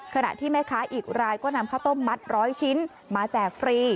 ขณะที่แม่ค้าอีกรายก็นำข้าวต้มมัดร้อยชิ้นมาแจกฟรี